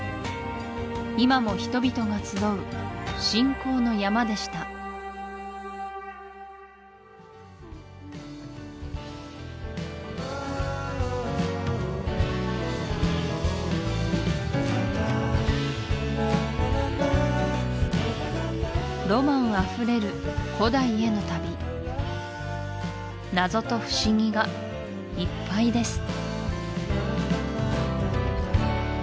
今も人々が集う信仰の山でしたロマンあふれる古代への旅謎と不思議がいっぱいです